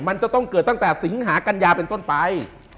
มันจะต้องเกิดตั้งแต่สิงหากัญญาเป็นต้นไป